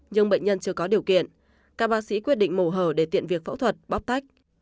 nhưng bệnh nhân chưa có điều kiện các bác sĩ quyết định mổ hở để tiện việc phẫu thuật bóc tách